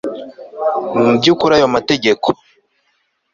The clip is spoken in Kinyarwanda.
mu byu kuri ayo mategeko